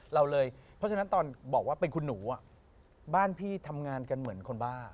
เราเลยเพราะฉะนั้นตอนบอกว่าเป็นคุณหนูบ้านพี่ทำงานกันเหมือนคนบ้า